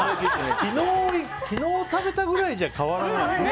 昨日食べたくらいじゃ変わらない。